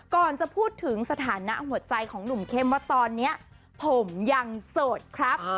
ก่อนจะพูดถึงสถานะหัวใจของหนุ่มเข้มว่าตอนนี้ผมยังโสดครับ